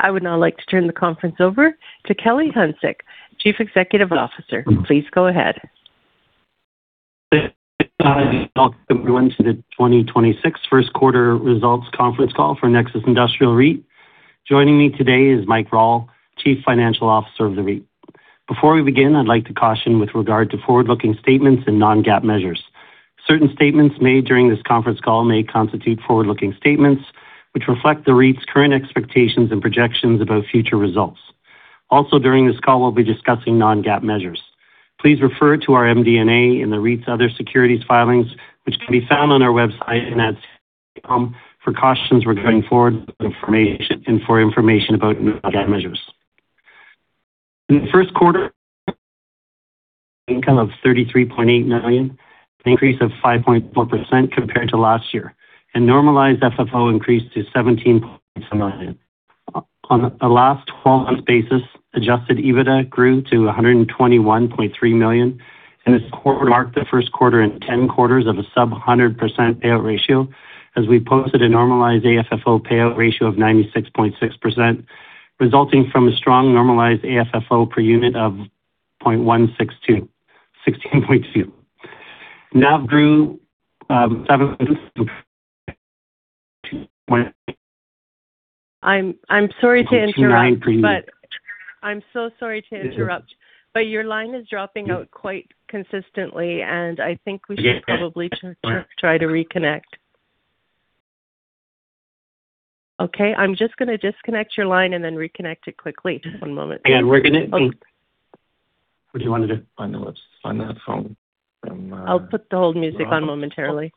I would now like to turn the conference over to Kelly Hanczyk, Chief Executive Officer. Please go ahead. Welcome everyone to the 2026 first quarter results conference call for Nexus Industrial REIT. Joining me today is Mike Rawle, Chief Financial Officer of the REIT. Before we begin, I'd like to caution with regard to forward-looking statements and non-GAAP measures. Certain statements made during this conference call may constitute forward-looking statements which reflect the REIT's current expectations and projections about future results. During this call, we'll be discussing non-GAAP measures. Please refer to our MD&A in the REIT's other securities filings, which can be found on our website and at sedar.com for cautions regarding forward-looking information and for information about non-GAAP measures. In the first quarter, income of 33.8 million, an increase of 5.4% compared to last year, and normalized FFO increased to 17.7 million. On a last 12 months basis, adjusted EBITDA grew to 121.3 million, and this quarter marked the first quarter in 10 quarters of a sub-100% payout ratio as we posted a normalized AFFO payout ratio of 96.6%, resulting from a strong normalized AFFO per unit of 16.2. NAV grew, seven I'm so sorry to interrupt. Yeah. Your line is dropping out quite consistently, and I think we should probably try to reconnect. Okay, I'm just gonna disconnect your line and then reconnect it quickly. Just one moment. What do you want me to do? I know. Let's find that phone from. I'll put the hold music on momentarily.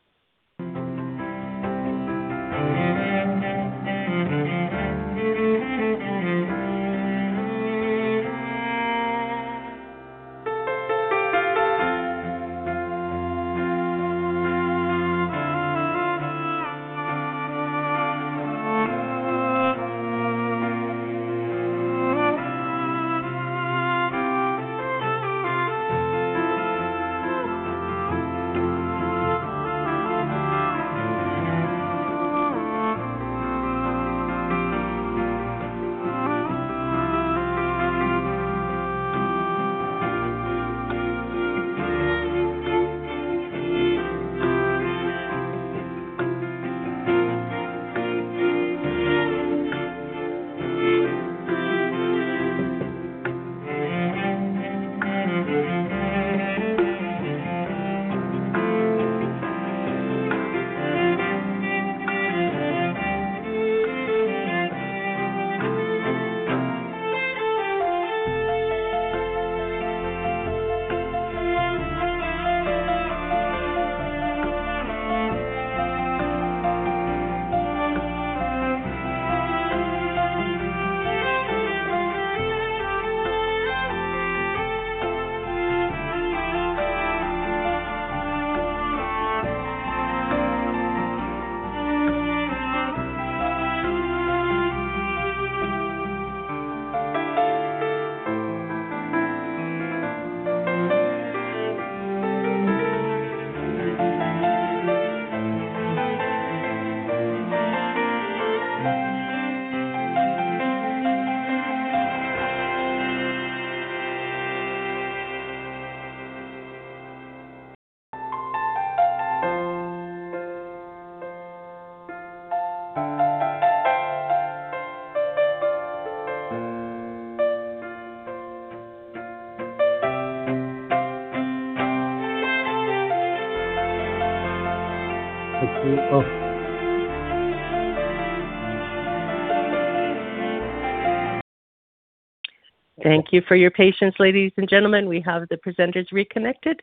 We have the presenters reconnected.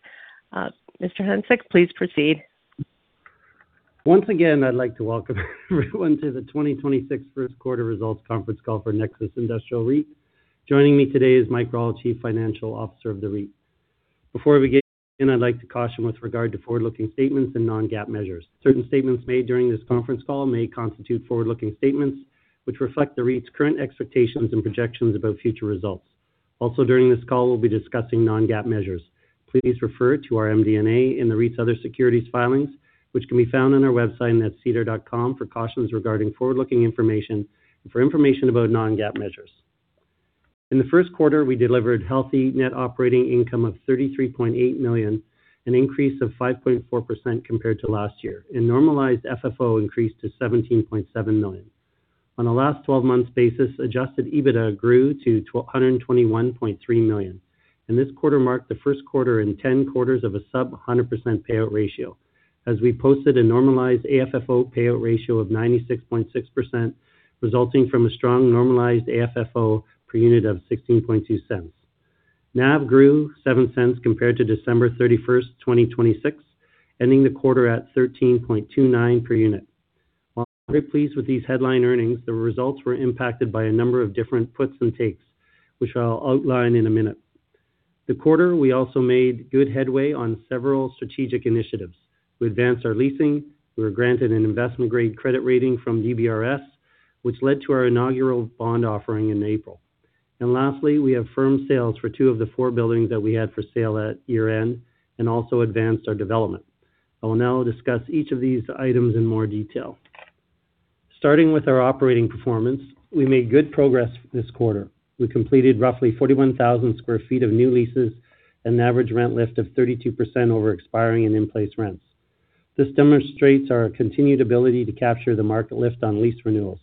Mr. Hanczyk, please proceed. Once again, I'd like to welcome everyone to the 2026 first quarter results conference call for Nexus Industrial REIT. Joining me today is Mike Rawle, Chief Financial Officer of the REIT. Before we begin, I'd like to caution with regard to forward-looking statements and non-GAAP measures. Certain statements made during this conference call may constitute forward-looking statements which reflect the REIT's current expectations and projections about future results. During this call, we'll be discussing non-GAAP measures. Please refer to our MD&A in the REIT's other securities filings, which can be found on our website, sedar.com for cautions regarding forward-looking information and for information about non-GAAP measures. In the first quarter, we delivered healthy net operating income of 33.8 million, an increase of 5.4 million compared to last year, and normalized FFO increased to 17.7 million. On a last 12 months basis, adjusted EBITDA grew to 121.3 million. This quarter marked the first quarter in 10 quarters of a sub 100% payout ratio as we posted a normalized AFFO payout ratio of 96.6%, resulting from a strong normalized AFFO per unit of 0.162. NAV grew 0.07 compared to December 31st, 2026, ending the quarter at 13.29 per unit. While very pleased with these headline earnings, the results were impacted by a number of different puts and takes, which I'll outline in a minute. The quarter, we also made good headway on several strategic initiatives. We advanced our leasing. We were granted an investment-grade credit rating from DBRS, which led to our inaugural bond offering in April. Lastly, we have firm sales for two of the four buildings that we had for sale at year-end and also advanced our development. I will now discuss each of these items in more detail. Starting with our operating performance, we made good progress this quarter. We completed roughly 41,000 sq ft of new leases and an average rent lift of 32% over expiring and in-place rents. This demonstrates our continued ability to capture the market lift on lease renewals,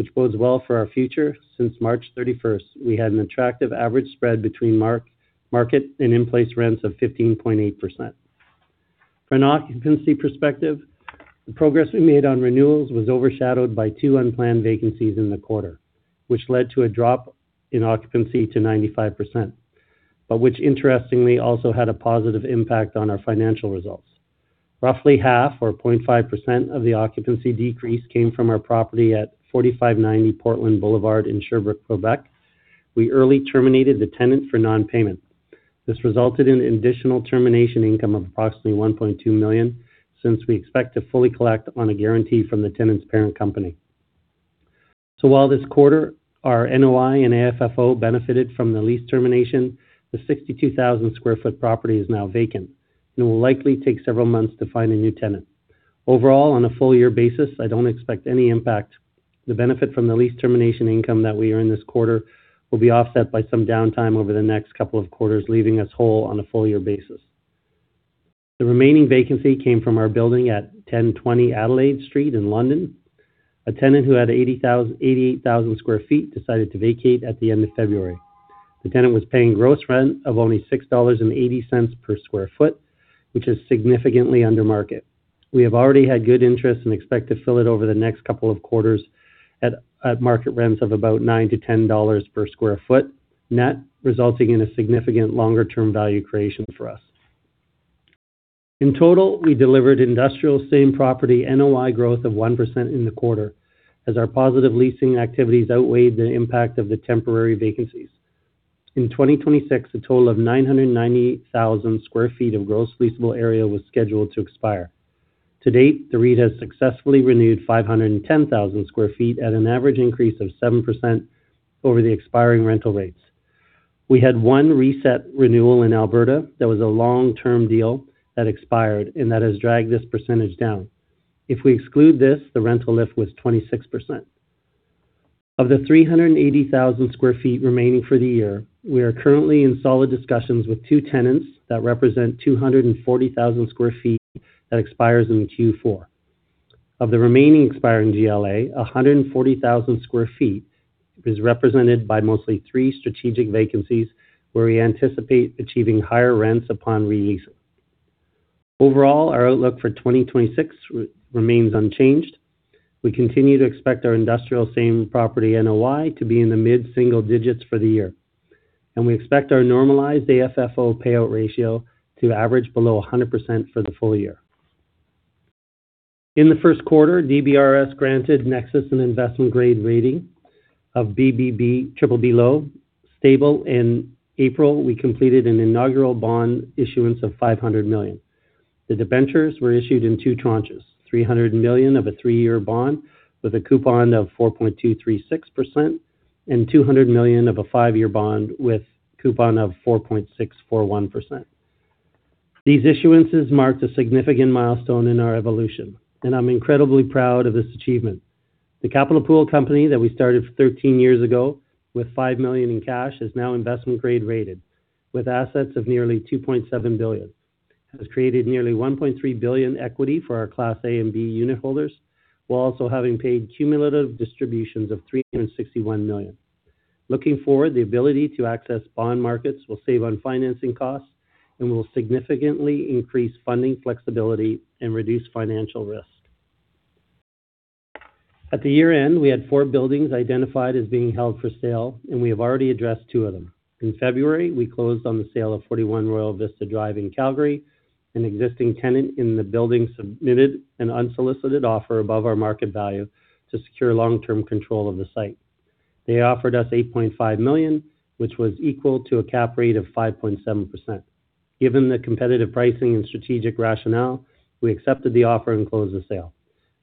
which bodes well for our future. Since March 31st, we had an attractive average spread between market and in-place rents of 15.8%. From an occupancy perspective, the progress we made on renewals was overshadowed by two unplanned vacancies in the quarter, which led to a drop in occupancy to 95%, but which interestingly also had a positive impact on our financial results. Roughly half or 0.5% of the occupancy decrease came from our property at 4590 Portland Boulevard in Sherbrooke, Quebec. We early terminated the tenant for non-payment. This resulted in additional termination income of approximately 1.2 million since we expect to fully collect on a guarantee from the tenant's parent company. While this quarter our NOI and AFFO benefited from the lease termination, the 62,000 sq ft property is now vacant and will likely take several months to find a new tenant. Overall, on a full year basis, I don't expect any impact. The benefit from the lease termination income that we earn this quarter will be offset by some downtime over the next couple of quarters, leaving us whole on a full year basis. The remaining vacancy came from our building at 1020 Adelaide Street in London. A tenant who had 88,000 sq ft decided to vacate at the end of February. The tenant was paying gross rent of only 6.80 dollars per sq ft, which is significantly under market. We have already had good interest and expect to fill it over the next couple of quarters at market rents of about 9-10 dollars per sq ft net, resulting in a significant longer term value creation for us. In total, we delivered industrial same property NOI growth of 1% in the quarter as our positive leasing activities outweighed the impact of the temporary vacancies. In 2026, a total of 998,000 sq ft of gross leasable area was scheduled to expire. To date, the REIT has successfully renewed 510,000 sq ft at an average increase of 7% over the expiring rental rates. We had one reset renewal in Alberta that was a long-term deal that expired, and that has dragged this percentage down. If we exclude this, the rental lift was 26%. Of the 380,000 sq ft remaining for the year, we are currently in solid discussions with two tenants that represent 240,000 sq ft that expires in Q4. Of the remaining expiring GLA, 140,000 sq ft is represented by mostly three strategic vacancies, where we anticipate achieving higher rents upon re-leasing. Overall, our outlook for 2026 remains unchanged. We continue to expect our industrial same property NOI to be in the mid-single digits for the year, and we expect our normalized AFFO payout ratio to average below 100% for the full year. In the first quarter, DBRS granted Nexus an investment grade rating of BBB triple B low, stable. In April, we completed an inaugural bond issuance of 500 million. The debentures were issued in two tranches, 300 million of a three-year bond with a coupon of 4.236% and 200 million of a five-year bond with coupon of 4.641%. These issuances marked a significant milestone in our evolution, and I'm incredibly proud of this achievement. The capital pool company that we started 13 years ago with 5 million in cash is now investment grade rated with assets of nearly 2.7 billion. It has created nearly 1.3 billion equity for our Class A and B unitholders, while also having paid cumulative distributions of 361 million. Looking forward, the ability to access bond markets will save on financing costs and will significantly increase funding flexibility and reduce financial risk. At the year-end, we had four buildings identified as being held for sale, and we have already addressed two of them. In February, we closed on the sale of 41 Royal Vista Drive in Calgary. An existing tenant in the building submitted an unsolicited offer above our market value to secure long-term control of the site. They offered us CAD 8.5 million, which was equal to a cap rate of 5.7%. Given the competitive pricing and strategic rationale, we accepted the offer and closed the sale.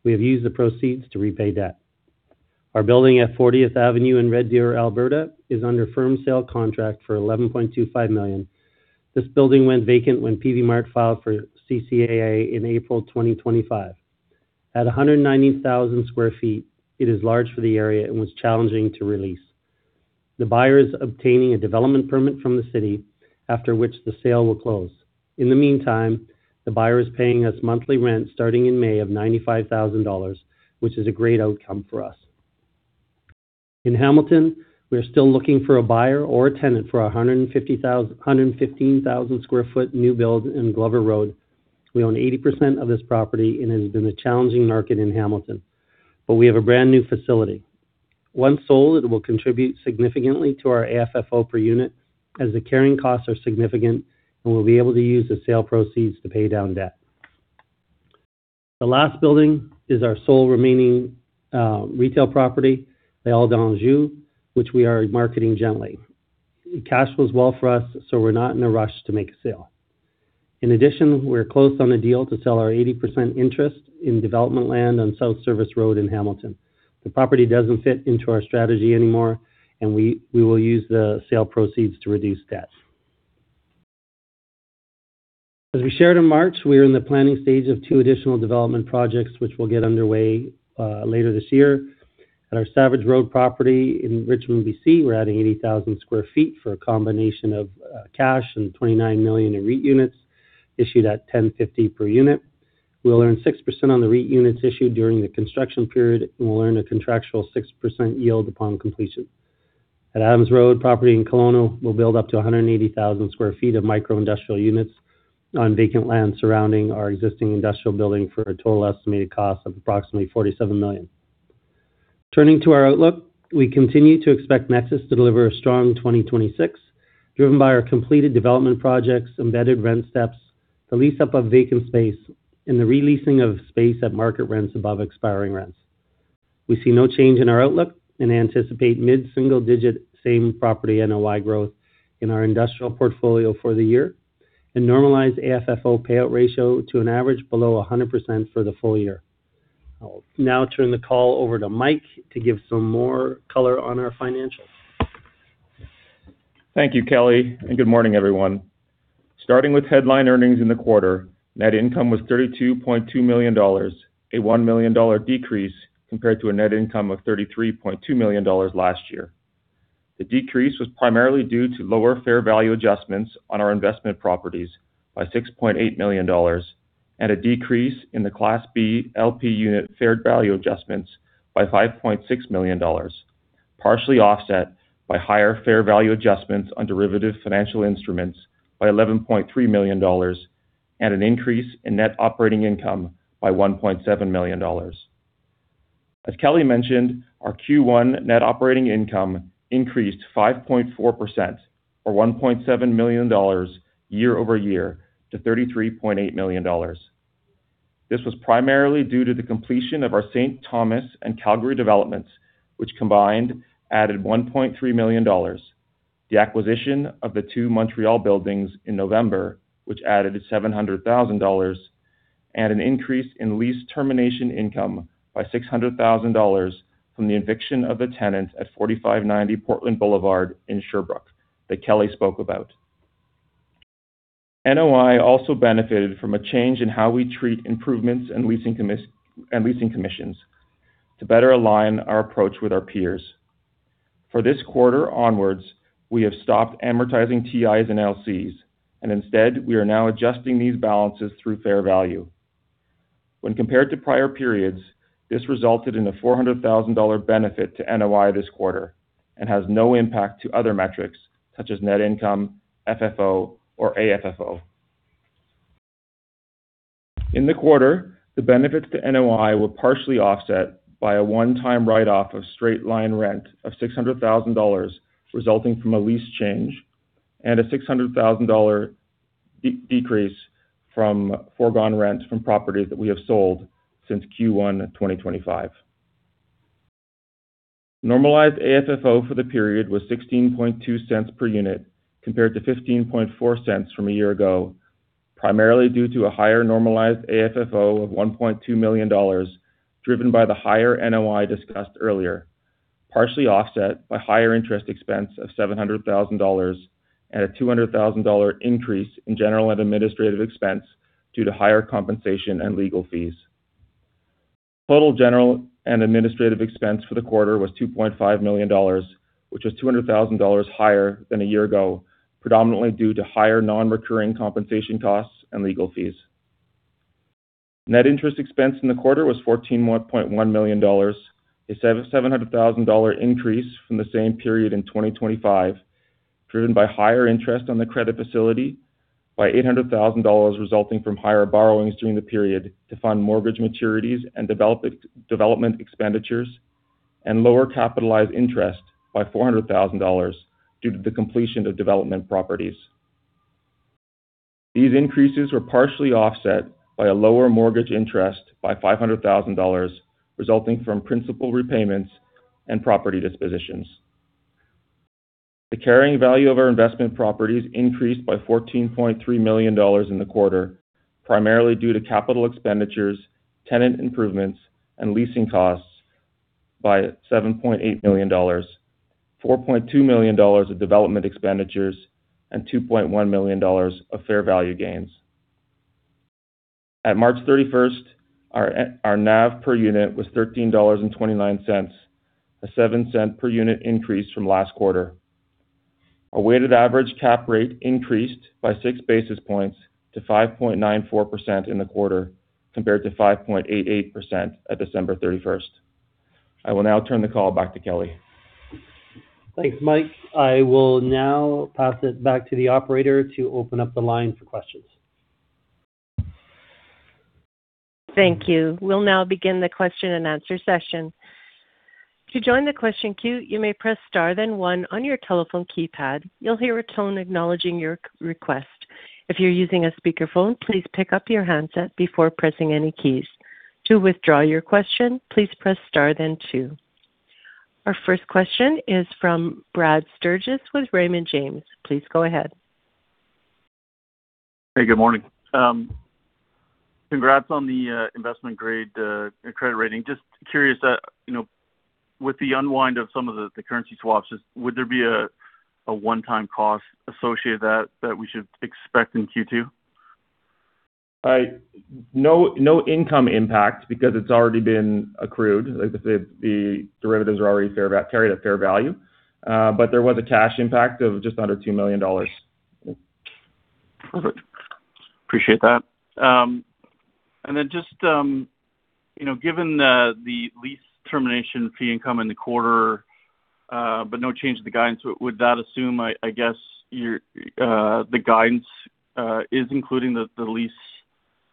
We have used the proceeds to repay debt. Our building at 40th Avenue in Red Deer, Alberta is under firm sale contract for 11.25 million. This building went vacant when Peavey Mart filed for CCAA in April 2025. At 190,000 sq ft, it is large for the area and was challenging to re-lease. The buyer is obtaining a development permit from the city, after which the sale will close. In the meantime, the buyer is paying us monthly rent starting in May of 95,000 dollars, which is a great outcome for us. In Hamilton, we are still looking for a buyer or a tenant for our 115,000 sq ft new build in Glover Road. We own 80% of this property, and it has been a challenging market in Hamilton, but we have a brand-new facility. Once sold, it will contribute significantly to our AFFO per unit as the carrying costs are significant, and we'll be able to use the sale proceeds to pay down debt. The last building is our sole remaining retail property, Les Halles d'Anjou, which we are marketing gently. Cash flows well for us. We're not in a rush to make a sale. In addition, we are close on a deal to sell our 80% interest in development land on South Service Road in Hamilton. The property doesn't fit into our strategy anymore, and we will use the sale proceeds to reduce debt. As we shared in March, we are in the planning stage of two additional development projects which will get underway later this year. At our Savage Road property in Richmond, B.C., we're adding 80,000 sq ft for a combination of cash and 29 million in REIT units issued at 10.50 per unit. We'll earn 6% on the REIT units issued during the construction period, and we'll earn a contractual 6% yield upon completion. At Adams Road property in Kelowna, we'll build up to 180,000 sq ft of micro industrial units on vacant land surrounding our existing industrial building for a total estimated cost of approximately 47 million. Turning to our outlook, we continue to expect Nexus to deliver a strong 2026, driven by our completed development projects, embedded rent steps, the lease-up of vacant space, and the re-leasing of space at market rents above expiring rents. We see no change in our outlook and anticipate mid-single digit same property NOI growth in our industrial portfolio for the year and normalize AFFO payout ratio to an average below 100% for the full year. I'll now turn the call over to Mike to give some more color on our financials. Thank you, Kelly, and good morning, everyone. Starting with headline earnings in the quarter, net income was 32.2 million dollars, a 1 million dollar decrease compared to a net income of 33.2 million dollars last year. The decrease was primarily due to lower fair value adjustments on our investment properties by 6.8 million dollars and a decrease in the Class B LP unit fair value adjustments by 5.6 million dollars, partially offset by higher fair value adjustments on derivative financial instruments by 11.3 million dollars and an increase in net operating income by 1.7 million dollars. As Kelly mentioned, our Q1 net operating income increased 5.4% or 1.7 million dollars year-over-year to 33.8 million dollars. This was primarily due to the completion of our St. Thomas and Calgary developments, which combined added 1.3 million dollars, the acquisition of the two Montreal buildings in November, which added 700,000 dollars, and an increase in lease termination income by 600,000 dollars from the eviction of a tenant at 4590 Portland Boulevard in Sherbrooke that Kelly spoke about. NOI also benefited from a change in how we treat improvements and leasing commissions to better align our approach with our peers. For this quarter onwards, we have stopped amortizing TIs and LCs, and instead, we are now adjusting these balances through fair value. When compared to prior periods, this resulted in a 400,000 dollar benefit to NOI this quarter and has no impact to other metrics such as net income, FFO, or AFFO. In the quarter, the benefits to NOI were partially offset by a one-time write-off of straight line rent of 600,000 dollars resulting from a lease change and a 600,000 dollar decrease from forgone rents from properties that we have sold since Q1 2025. Normalized AFFO for the period was 0.162 per unit compared to 0.154 from a year ago, primarily due to a higher normalized AFFO of 1.2 million dollars driven by the higher NOI discussed earlier, partially offset by higher interest expense of 700,000 dollars and a 200,000 dollar increase in general and administrative expense due to higher compensation and legal fees. Total general and administrative expense for the quarter was 2.5 million dollars, which was 200,000 dollars higher than a year ago, predominantly due to higher non-recurring compensation costs and legal fees. Net interest expense in the quarter was 14.1 million dollars, a 700,000 dollar increase from the same period in 2025, driven by higher interest on the credit facility by 800,000 dollars resulting from higher borrowings during the period to fund mortgage maturities and development expenditures and lower capitalized interest by 400,000 dollars due to the completion of development properties. These increases were partially offset by a lower mortgage interest by 500,000 dollars resulting from principal repayments and property dispositions. The carrying value of our investment properties increased by 14.3 million dollars in the quarter, primarily due to capital expenditures, tenant improvements, and leasing costs by 7.8 million dollars, 4.2 million dollars of development expenditures and 2.1 million dollars of fair value gains. At March 31st, our NAV per unit was 13.29 dollars, a 0.07 per unit increase from last quarter. Our weighted average cap rate increased by 6 basis points to 5.94% in the quarter, compared to 5.88% at December 31st. I will now turn the call back to Kelly. Thanks, Mike. I will now pass it back to the operator to open up the line for questions. Thank you. We'll now begin the question and answer session. To join the question queue you may press star then one on your telephone keypad. You'll hear a tone acknowledging your request. If you're using a speakerphone. Please pick up your handset before pressing any keys. To withdraw your question, please press star then two. Our first question is from Brad Sturges with Raymond James. Please go ahead. Hey, good morning. Congrats on the investment grade credit rating. Just curious, you know, with the unwind of some of the currency swaps, just would there be a one-time cost associated that we should expect in Q2? No, no income impact because it's already been accrued. Like I said, the derivatives are already carried at fair value. There was a cash impact of just under 2 million dollars. Perfect. Appreciate that. Then just, you know, given the lease termination fee income in the quarter, but no change to the guidance, would that assume, I guess, your the guidance is including the lease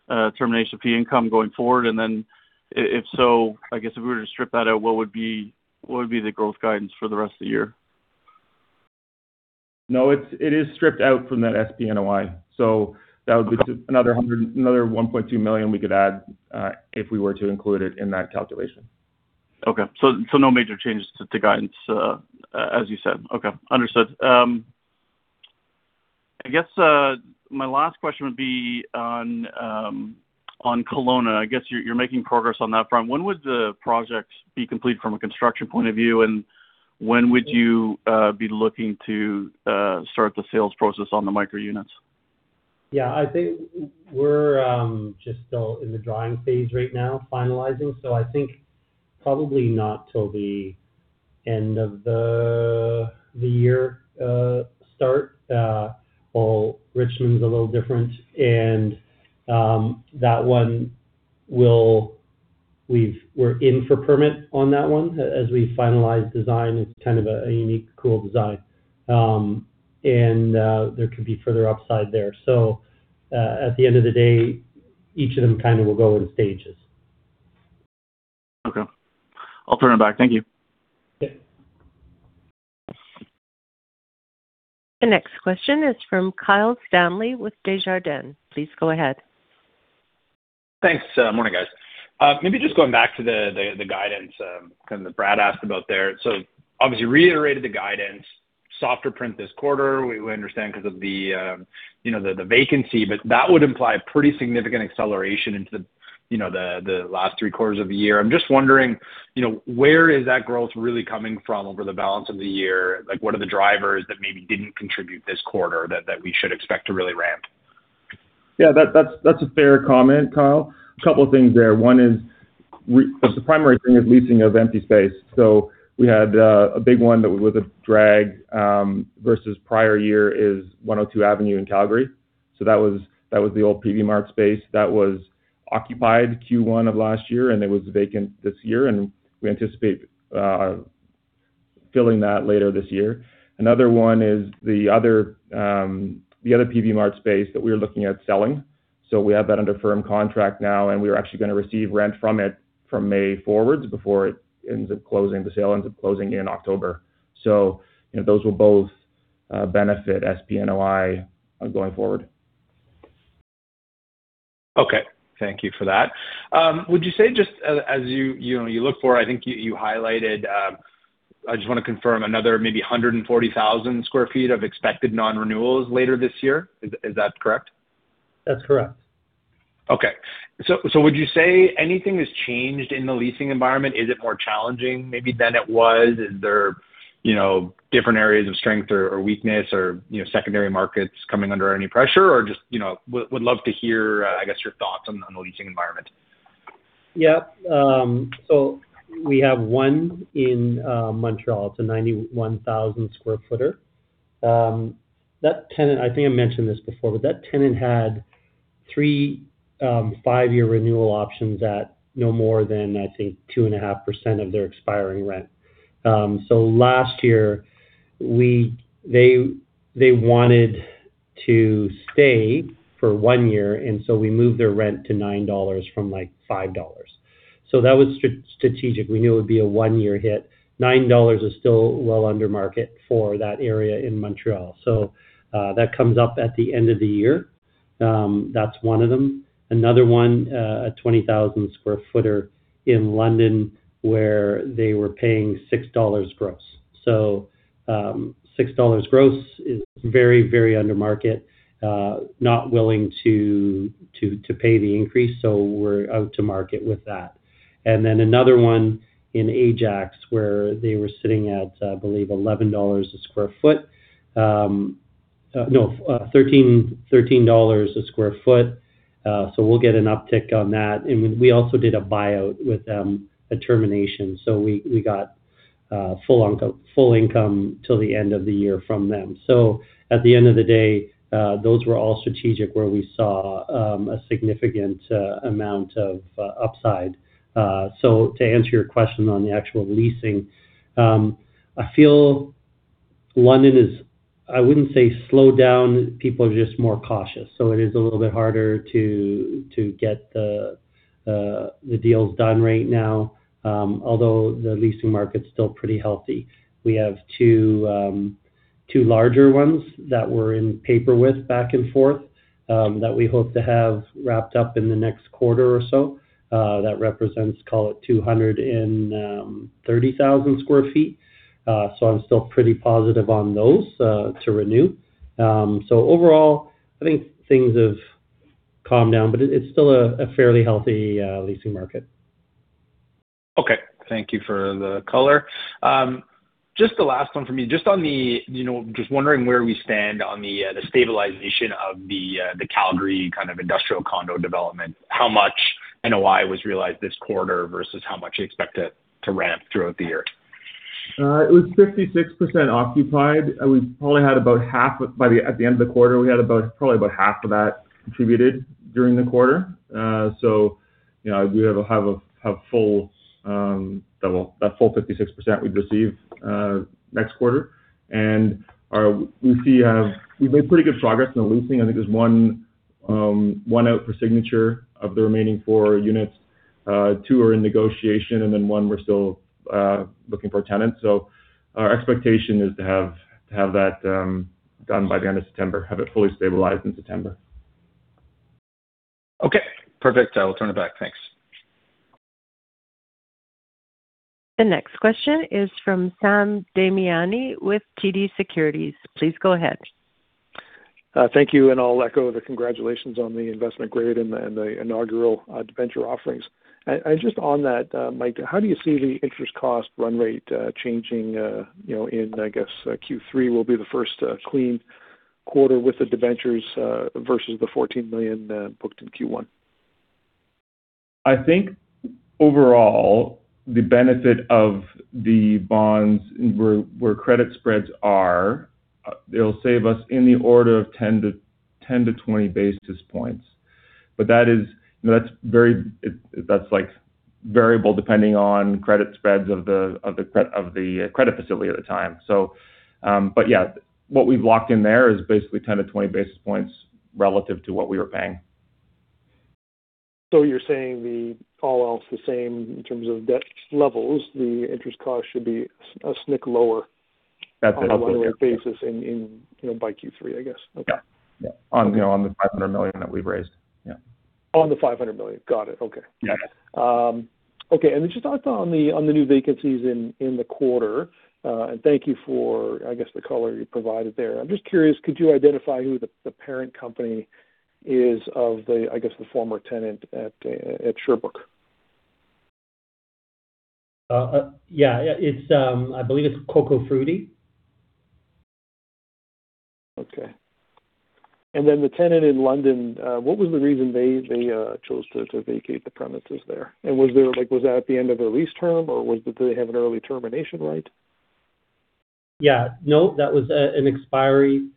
termination fee income going forward? Then if so, I guess if we were to strip that out, what would be the growth guidance for the rest of the year? No, it is stripped out from that SPNOI. Okay another 1.2 million we could add if we were to include it in that calculation. Okay. No major changes to guidance as you said. Okay, understood. I guess my last question would be on Kelowna. I guess you're making progress on that front. When would the project be complete from a construction point of view, and when would you be looking to start the sales process on the micro units? I think we're just still in the drawing phase right now, finalizing. I think probably not till the end of the year, start. Well, Richmond's a little different and that one we're in for permit on that one as we finalize design. It's kind of a unique, cool design. There could be further upside there. At the end of the day, each of them kind of will go in stages. Okay. I'll turn it back. Thank you. Yeah. The next question is from Kyle Stanley with Desjardins. Please go ahead. Thanks. Morning, guys. Maybe just going back to the guidance Brad asked about there. Obviously reiterated the guidance, softer print this quarter. We understand because of the, you know, the vacancy, but that would imply pretty significant acceleration into the, you know, the last three quarters of the year. I'm just wondering, you know, where is that growth really coming from over the balance of the year? What are the drivers that maybe didn't contribute this quarter that we should expect to really ramp? Yeah, that's a fair comment, Kyle. A couple of things there. One is the primary thing is leasing of empty space. We had a big one that was a drag versus prior year is 102 Avenue in Calgary. That was the old Peavey Mart space that was occupied Q1 of last year, and it was vacant this year, and we anticipate filling that later this year. Another one is the other Peavey Mart space that we're looking at selling. We have that under firm contract now, and we're actually going to receive rent from it from May forwards before it ends up closing, the sale ends up closing in October. You know, those will both benefit SPNOI going forward. Okay. Thank you for that. Would you say just as you know, you look for, I think you highlighted, I just want to confirm another maybe 140,000 sq ft of expected non-renewals later this year. Is that correct? That's correct. Okay. Would you say anything has changed in the leasing environment? Is it more challenging maybe than it was? Is there, you know, different areas of strength or weakness or, you know, secondary markets coming under any pressure? Just, you know, would love to hear, I guess, your thoughts on the leasing environment. Yeah. We have one in Montreal. It's a 91,000 sq ft. That tenant, I mentioned this before, but that tenant had three, five-year renewal options at no more than 2.5% of their expiring rent. Last year, they wanted to stay for one year, and so we moved their rent to 9 dollars from 5 dollars. That was strategic. We knew it would be a one-year hit. 9 dollars is still well under market for that area in Montreal. That comes up at the end of the year. That's one of them. Another one, a 20,000 sq ft in London where they were paying 6 dollars gross. 6 dollars gross is very under market. Not willing to pay the increase, we're out to market with that. Another one in Ajax where they were sitting at, I believe, 11 dollars a square foot. CAD 13 a square foot. We'll get an uptick on that. We also did a buyout with them, a termination. We got full income, full income till the end of the year from them. At the end of the day, those were all strategic where we saw a significant amount of upside. To answer your question on the actual leasing, I feel London is, I wouldn't say slowed down. People are just more cautious. It is a little bit harder to get the deals done right now, although the leasing market's still pretty healthy. We have two larger ones that we're in paper with back and forth that we hope to have wrapped up in the next quarter or so. That represents, call it 230,000 sq ft. I'm still pretty positive on those to renew. Overall, I think things have calmed down, but it's still a fairly healthy leasing market. Okay. Thank you for the color. Just the last one for me. Just on the, you know, just wondering where we stand on the stabilization of the Calgary kind of industrial condo development. How much NOI was realized this quarter versus how much you expect it to ramp throughout the year? It was 56% occupied. We probably had about half by the end of the quarter, we had about, probably about half of that contributed during the quarter. You know, I do have full, that full 56% we'd receive next quarter. We see, we've made pretty good progress on the leasing. I think there's one out for signature of the remaining four units. Two are in negotiation, then one we're still looking for a tenant. Our expectation is to have that done by the end of September, have it fully stabilized in September. Okay, perfect. I will turn it back. Thanks. The next question is from Sam Damiani with TD Securities. Please go ahead. Thank you, and I'll echo the congratulations on the investment grade and the inaugural debenture offerings. Just on that, Mike, how do you see the interest cost run rate changing, you know, in, I guess, Q3 will be the first clean quarter with the debentures versus the 14 million booked in Q1? I think overall the benefit of the bonds where credit spreads are, they'll save us in the order of 10 basis points-20 basis points. That's, you know, like variable depending on credit spreads of the credit facility at the time. Yeah, what we've locked in there is basically 10 basis points-20 basis points relative to what we were paying. You're saying the all else the same in terms of debt levels, the interest cost should be a snick lower? That's it. -on an annual basis in, you know, by Q3, I guess. Okay. Yeah. Yeah. On, you know, on the 500 million that we've raised. Yeah. On the 500 million. Got it. Okay. Yeah. Okay. Just also on the new vacancies in the quarter. Thank you for the color you provided there. I'm just curious, could you identify who the parent company is of the former tenant at Sherbrooke? Yeah. I believe it's Coco Frutti. Okay. The tenant in London, what was the reason they chose to vacate the premises there? Was that at the end of their lease term, or do they have an early termination right? Yeah. No, that was an expiry.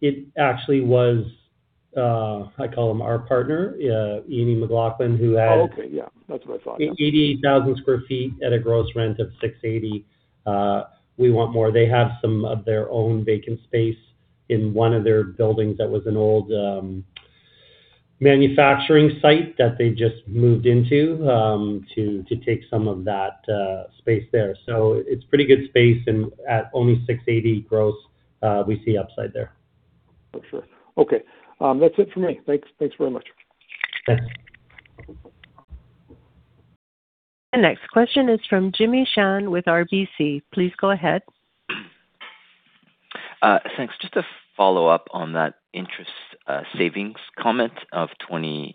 It actually was, I call him our partner, Ian McLaughlin. Oh, okay. Yeah. That's what I thought. Yeah. 80,000 sq ft at a gross rent of 6.80. We want more. They have some of their own vacant space in one of their buildings that was an old manufacturing site that they just moved into to take some of that space there. It's pretty good space and at only 6.80 gross, we see upside there. For sure. Okay. That's it for me. Thanks. Thanks very much. Thanks. The next question is from Jimmy Shan with RBC. Please go ahead. Thanks. Just to follow up on that interest, savings comment of 20,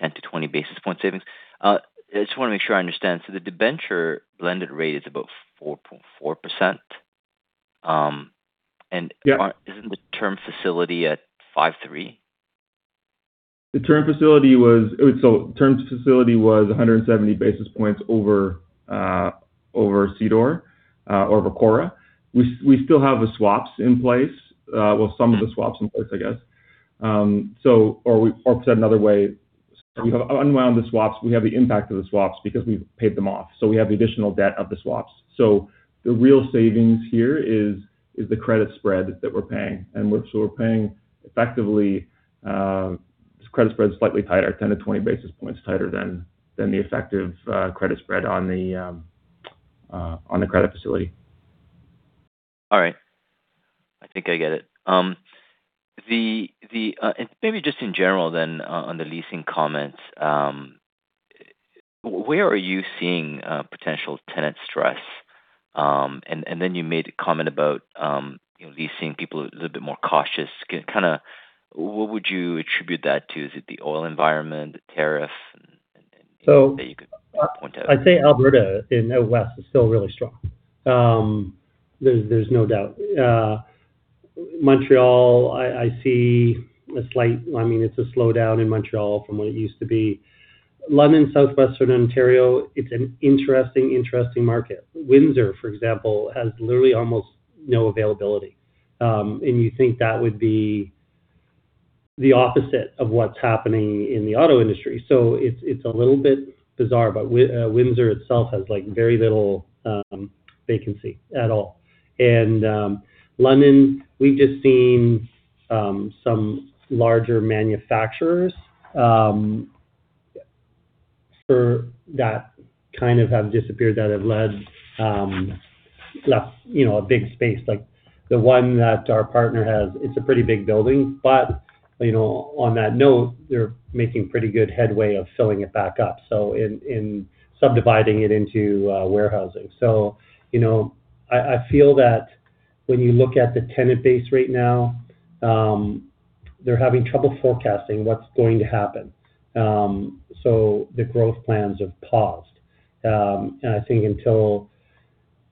10 basis points-20 basis point savings. I just want to make sure I understand. The debenture blended rate is about 4.4%. Yeah. Isn't the term facility at 53? The term facility was 170 basis points over CDOR or CORRA. We still have the swaps in place. Well, some of the swaps in place I guess. Or to say it another way, we have unwound the swaps. We have the impact of the swaps because we've paid them off, we have the additional debt of the swaps. The real savings here is the credit spread that we're paying. We're paying effectively, this credit spread is slightly tighter, 10 basis points-20 basis points tighter than the effective credit spread on the credit facility. All right. I think I get it. Maybe just in general then on the leasing comments, where are you seeing potential tenant stress? Then you made a comment about, you know, leasing people a little bit more cautious. Kinda what would you attribute that to? Is it the oil environment, the tariff? Anything that you could point out? I'd say Alberta in the west is still really strong. There's no doubt. Montreal, I mean, it's a slowdown in Montreal from what it used to be. London, Southwestern Ontario, it's an interesting market. Windsor, for example, has literally almost no availability. You think that would be the opposite of what's happening in the auto industry. It's a little bit bizarre. Windsor itself has, like, very little vacancy at all. London, we've just seen some larger manufacturers for that kind of have disappeared that have left, you know, a big space. Like the one that our partner has, it's a pretty big building. You know, on that note, they're making pretty good headway of filling it back up, in subdividing it into warehousing. You know, I feel that when you look at the tenant base right now, They're having trouble forecasting what's going to happen. The growth plans have paused. I think until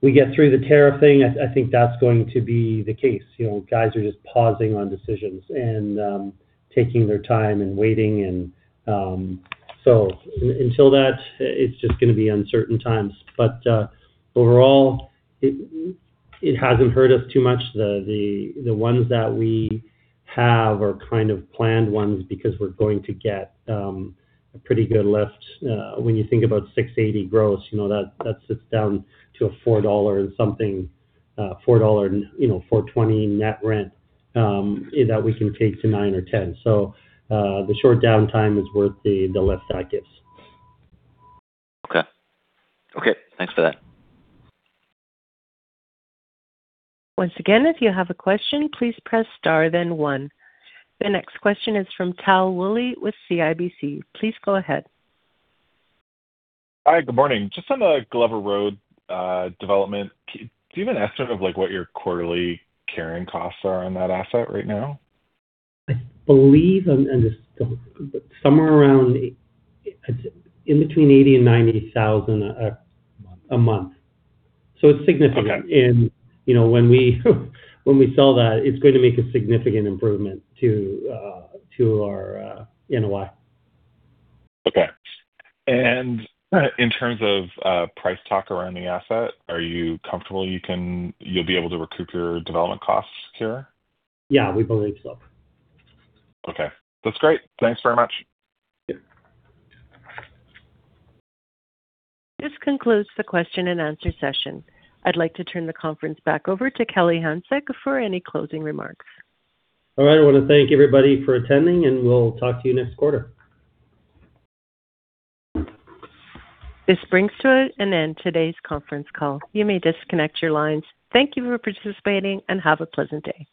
we get through the tariff thing, I think that's going to be the case. You know, guys are just pausing on decisions and taking their time and waiting and until that, it's just gonna be uncertain times. Overall, it hasn't hurt us too much. The ones that we have are kind of planned ones because we're going to get a pretty good lift. When you think about 6.80 gross, you know that sits down to a 4 dollar and, you know, 4.20 net rent that we can take to 9 or 10. The short downtime is worth the lift that gives. Okay. Okay, thanks for that. Once again, if you have a question, please press star then one. The next question is from Tal Woolley with CIBC. Please go ahead. Hi, good morning. Just on the Glover Road development, can you even estimate of, like, what your quarterly carrying costs are on that asset right now? I believe and this somewhere around in between 80,000 and 90,000 a month. It's significant. Okay. You know, when we sell that, it's going to make a significant improvement to our NOI. Okay. In terms of price talk around the asset, are you comfortable you'll be able to recoup your development costs here? Yeah, we believe so. Okay. That's great. Thanks very much. Yeah. This concludes the question and answer session. I'd like to turn the conference back over to Kelly Hanczyk for any closing remarks. All right. I wanna thank everybody for attending, and we'll talk to you next quarter. This brings to an end today's conference call. You may disconnect your lines. Thank you for participating and have a pleasant day.